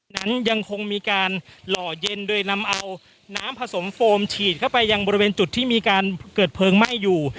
นั้นยังคงมีการหล่อเย็นโดยนำเอาน้ำผสมโฟมฉีดเข้าไปยังบริเวณจุดที่มีการเกิดเพลิงไหม้อยู่